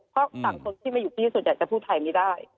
เพราะสังคมที่มาอยู่ที่นี่ส่วนใหญ่จะพูดไทยไม่ได้